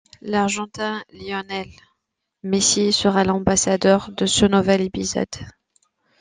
L'argentin Lionel Messi sera l'ambassadeur de ce nouvel épisode.